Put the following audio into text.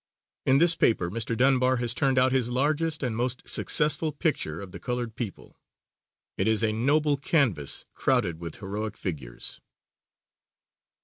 In this paper Mr. Dunbar has turned out his largest and most successful picture of the colored people. It is a noble canvas crowded with heroic figures.